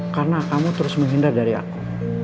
karena kamu terus menghindar dari aku